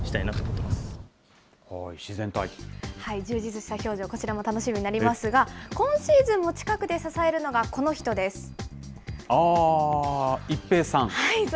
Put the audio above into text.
充実した表情、こちらも楽しみになりますが、今シーズンも近くで支えるのが、この人です。